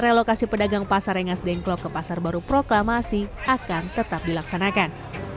relokasi pedagang pasar rengas dengklok ke pasar baru proklamasi akan tetap dilaksanakan